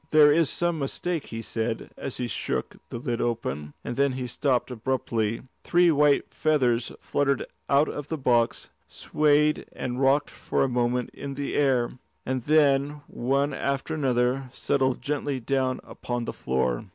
"There is some mistake," he said as he shook the lid open, and then he stopped abruptly. Three white feathers fluttered out of the box, swayed and rocked for a moment in the air, and then, one after another, settled gently down upon the floor.